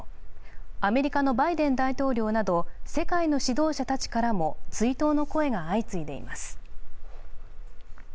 アメリカのバイデン大統領など、世界の指導者たちからも追悼の声が相次いでいます。